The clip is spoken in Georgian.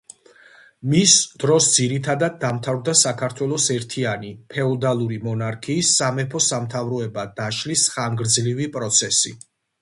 მის დროს, ძირითადად, დამთავრდა საქართველოს ერთიანი ფეოდალური მონარქიის სამეფო-სამთავროებად დაშლის ხანგრძლივი პროცესი.